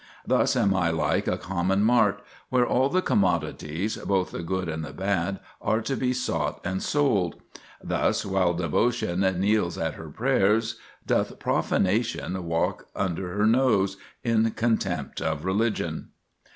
Thus am I like a common mart, where all the commodities (both the good and the bad) are to be bought and sold. Thus, while devotion kneels at her prayers, doth profanation walk under her nose, in contempt of religion."